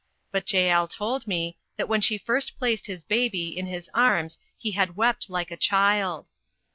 But Jael told me, that when she first placed his baby in his arms he had wept like a child.